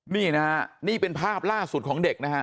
นี่นะฮะนี่เป็นภาพล่าสุดของเด็กนะฮะ